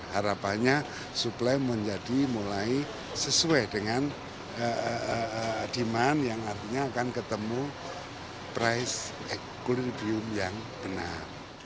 harapannya suplai menjadi mulai sesuai dengan demand yang artinya akan ketemu price equilibrium yang benar